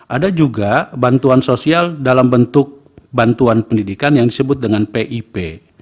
ada juga bantuan sosial dalam bentuk bantuan pendidikan yang disebut dengan pip